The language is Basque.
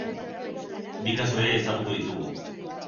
Bi kasu ere ezagutu ditugu.